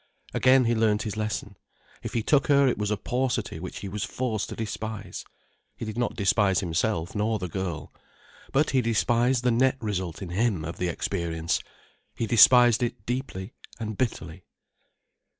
Again he learnt his lesson: if he took her it was a paucity which he was forced to despise. He did not despise himself nor the girl. But he despised the net result in him of the experience—he despised it deeply and bitterly.